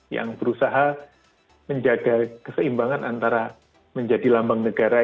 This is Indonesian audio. yang berusaha menjaga keseimbangan antara menjadi lambang negara